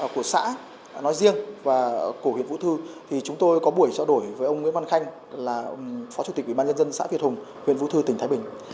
của xã nói riêng và của huyện vũ thư thì chúng tôi có buổi trả đổi với ông nguyễn văn khanh là phó chủ tịch ubnd xã việt hùng huyện vũ thư tỉnh thái bình